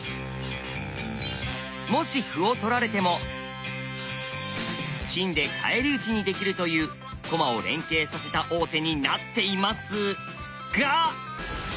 もし歩を取られても金で返り討ちにできるという「駒を連係させた王手」になっていますが！